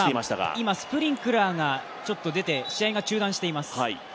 今、スプリンクラーがちょっと出て、試合が中断しています。